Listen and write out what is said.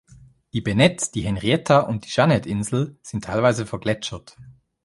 Die Bennett-, die Henrietta- und die Jeannette-Insel sind teilweise vergletschert.